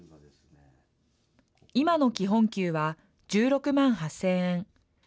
今の基本給は１６万８０００円。